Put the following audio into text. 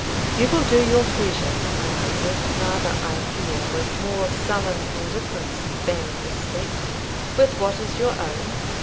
"You will do your pleasure," I answered rather, I fear, with more sullen indifference than respect, "with what is your own."